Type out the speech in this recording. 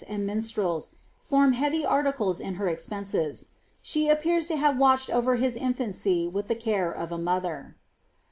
sod minalrfU, form heavy article) in her expenses. Slie appean lo Jiave walclied over hia infancy wiih the care of A moiher.